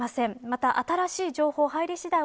また新しい情報が入りしだい